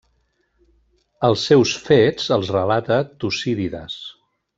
Els seus fets els relata Tucídides.